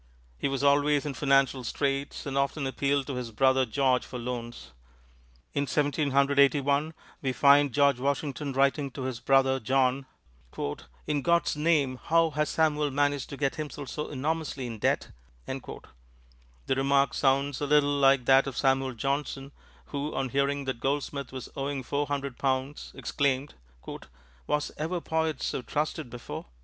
He was always in financial straits and often appealed to his brother George for loans. In Seventeen Hundred Eighty one we find George Washington writing to his brother John, "In God's name! how has Samuel managed to get himself so enormously in debt?" The remark sounds a little like that of Samuel Johnson, who on hearing that Goldsmith was owing four hundred pounds exclaimed, "Was ever poet so trusted before?"